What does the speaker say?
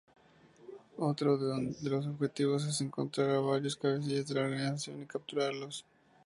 Otro de los objetivos es encontrar a varios cabecillas de la organización y capturarlos.